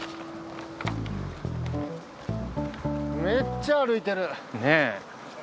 めっちゃ歩いてる。ねぇ。